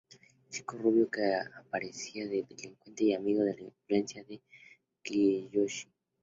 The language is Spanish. Chico rubio con apariencia de delincuente y amigo de la infancia de Kiyoshi.